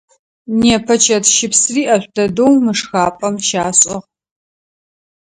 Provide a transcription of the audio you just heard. Непэ чэтщыпсыри ӏэшӏу дэдэу мы шхапӏэм щашӏыгъ.